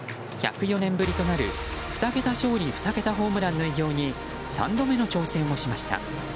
１０４年ぶりとなる２桁勝利２桁ホームランの偉業に３度目の挑戦をしました。